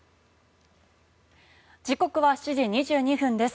時刻は７時２２分です。